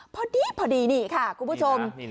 พอดีนี่ค่ะคุณผู้ชม